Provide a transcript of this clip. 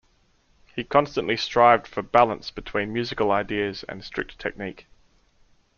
He constantly strived for balance between musical ideas and strict technique.